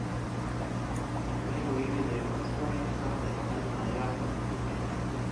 پخوانیو ویلي: د یو کس غوره انتخاب د هغه نیمايي عقل او فکر دی